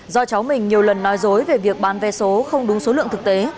do cháu mình nhiều lần nói dối về việc bán vé số không đúng số lượng thực tế